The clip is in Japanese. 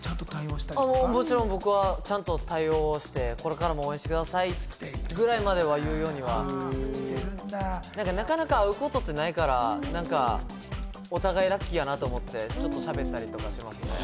もちろん、僕はちゃんと対応して、これからも応援してくださいと言うくらいまでは言うようにはなかなか会うことってないから、お互いラッキーやなと思って、ちょっとしゃべったりとかしますね。